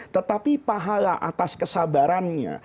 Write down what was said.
tetapi pahala atas kesabarannya